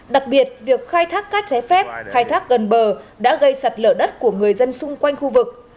đặc biệt việc khai thác cát trái phép khai thác gần bờ đã gây sạt lở đất của người dân xung quanh khu vực